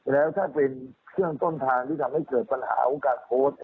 แล้วถ้าเป็นเครื่องต้นทางที่ทำให้เกิดปัญหาของการโพสต์